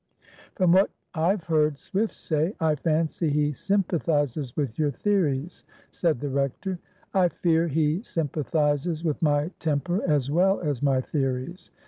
"From what I've heard Swift say, I fancy he sympathizes with your theories," said the Rector. "I fear he sympathizes with my temper as well as my theories!"